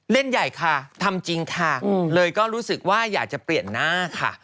เล่นใหญ่ค่ะทำจริงค่ะเลยก็รู้สึกว่าอยากจะเปลี่ยนหน้าค่ะ